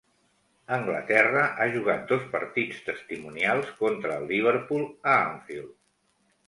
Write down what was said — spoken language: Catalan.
Anglaterra ha jugat dos partits testimonials contra el Liverpool a Anfield.